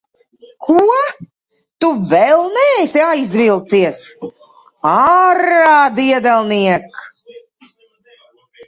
Ko? Tu vēl neesi aizvilcies? Ārā, diedelniek!